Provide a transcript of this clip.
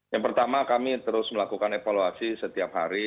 yang pertama kami terus melakukan evaluasi setiap hari